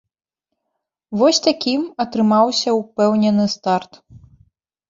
Вось такім атрымаўся ўпэўнены старт.